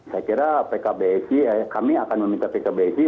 saya kira pkbsi kami akan meminta pkbsi